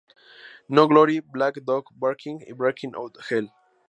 No Glory., Black Dog Barking y Breakin' Outta Hell.